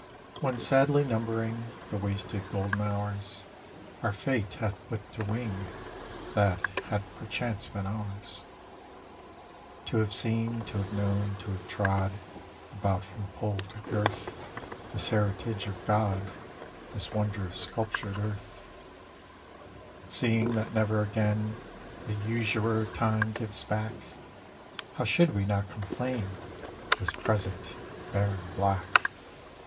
When sadly numbering The wasted golden hours Our fate hath put to wing, That had perchance been ours To have seen, to have known, to have trod About from pole to girth This heritage of God, This wondrous sculptured earth, Seeing that never again The usurer Time gives back, How should we not complain This Present, barren black?